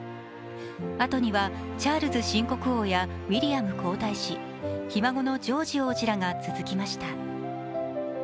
あとにはチャールズ新国王やウィリアム皇太子、ひ孫のジョージ王子らが続きました。